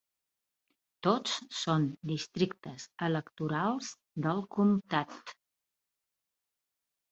Tots són districtes electorals del comtat.